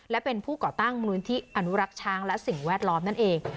และเป็นผู้ก่อตั้งมูลนิธิอนุรักษ์ช้างและสิ่งแวดล้อมนั่นเอง